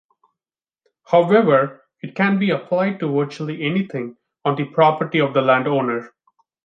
However, it can be applied to virtually anything on the property of the landowner.